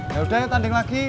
yaudah ya tanding lagi